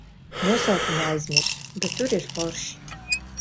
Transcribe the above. Nosaukumu aizmirsu, bet tur ir forši.